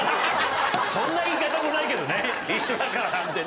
そんな言い方もないですね。